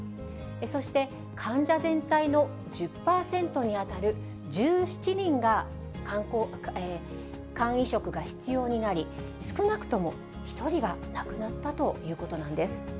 そして、患者全体の１０％に当たる１７人が肝移植が必要になり、少なくとも１人が亡くなったということなんです。